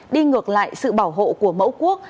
đi ngược lại sự bảo hộ của mẫu quốc